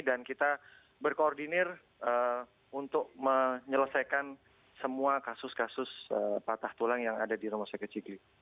dan kita berkoordinir untuk menyelesaikan semua kasus kasus patah tulang yang ada di rumah sakit sigli